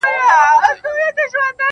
تیاره مالت وي پکښي خیر و شر په کاڼو ولي-